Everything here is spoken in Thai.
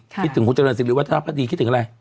คิดถึงคุณเจริญศิริวัฒนภดีคิดถึงอะไร